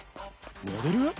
モデル？